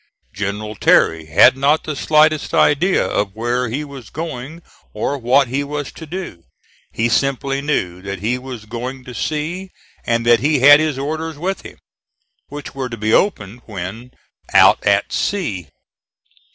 General Terry had not the slightest idea of where he was going or what he was to do. He simply knew that he was going to sea and that he had his orders with him, which were to be opened when out at sea.